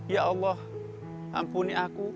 ya allah ampuni aku